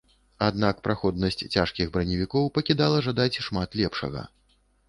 Аднак праходнасць цяжкіх браневікоў пакідала жадаць шмат лепшага.